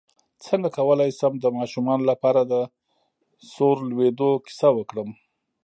څنګه کولی شم د ماشومانو لپاره د سور لویدو کیسه وکړم